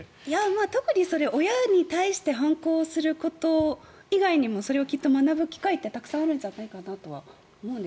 特に親に対して反抗すること以外にもそれをきっと学ぶ機会ってたくさんあるんじゃないかと思います。